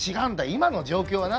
今の状況はな